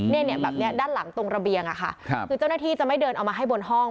เนี่ยแบบเนี้ยด้านหลังตรงระเบียงอะค่ะครับคือเจ้าหน้าที่จะไม่เดินเอามาให้บนห้อง